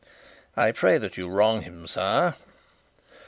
"I pray that you wrong him, sire."